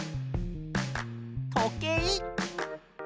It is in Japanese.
とけい。